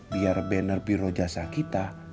biar banner biro jasa kita